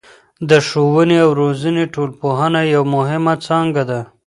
د ښووني او روزني ټولنپوهنه یوه مهمه څانګه ده.